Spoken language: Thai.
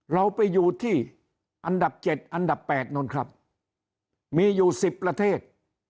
เราไปอยู่ที่อันดับ๗อันดับ๘นู่นครับมีอยู่๑๐ประเทศ